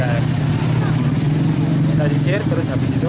kita disir turun sampai situ